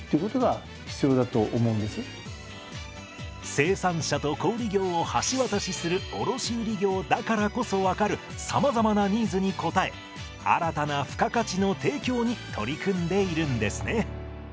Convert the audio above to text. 生産者と小売業を橋渡しする卸売業だからこそ分かるさまざまなニーズに応え新たな付加価値の提供に取り組んでいるんですね。